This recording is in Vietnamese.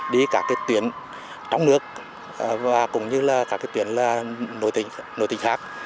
đi cả tuyển trong nước và cũng như là cả tuyển nội tỉnh khác